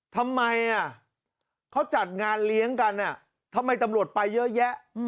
ทำไมเขาจัดงานเลี้ยงกันทำไมตำรวจไปเยอะแยะ